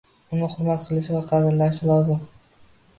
Uni hurmat qilishi va qadrlashi lozim.